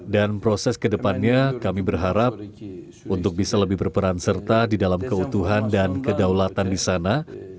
dan proses kedepannya kami berharap untuk bisa lebih berperan serta di dalam keutuhan dan kedaulatan di sana